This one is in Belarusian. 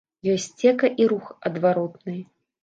Ёсцека і рух адваротны.